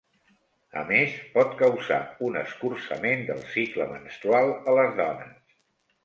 A més, pot causar un escurçament del cicle menstrual a les dones.